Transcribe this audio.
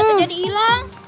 suratnya terjadi ilang